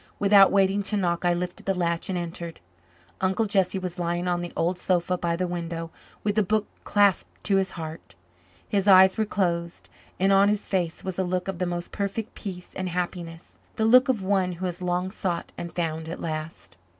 Without waiting to knock, I lifted the latch, and entered. Uncle Jesse was lying on the old sofa by the window, with the book clasped to his heart. His eyes were closed and on his face was a look of the most perfect peace and happiness the look of one who has long sought and found at last.